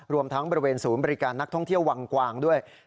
รวมทั้งบริเวณศูนย์บริการนักท่องเที่ยววังกวางด้วย